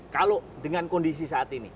kalau dengan kondisi saat ini